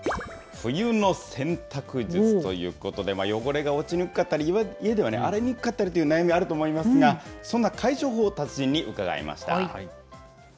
冬の洗濯術ということで、汚れが落ちにくかったり、家では洗いにくかったりという悩みがあると思いますが、そんな解消法を達人に伺いました。